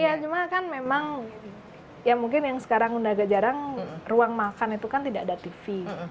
iya cuma kan memang ya mungkin yang sekarang udah agak jarang ruang makan itu kan tidak ada tv